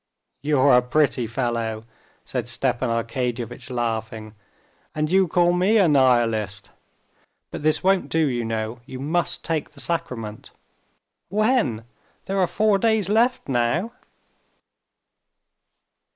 "You're a pretty fellow!" said Stepan Arkadyevitch laughing, "and you call me a Nihilist! But this won't do, you know. You must take the sacrament." "When? There are four days left now."